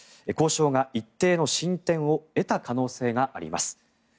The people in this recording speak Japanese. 交渉が一定の進展を得た可能性があります。